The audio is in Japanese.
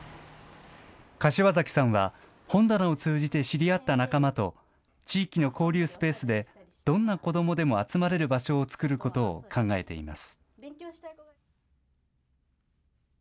柏崎さんは本棚を通じて知り合った仲間と、地域の交流スペースでどんな子どもでも集まれる場所を作ることを考えています。